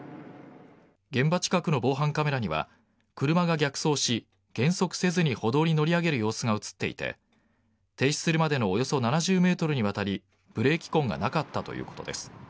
現場近くの防犯カメラには車が逆走し減速せずに、歩道に乗り上げる様子が映っていて停止するまでのおよそ７０ｍにわたりブレーキ痕がなかったということです。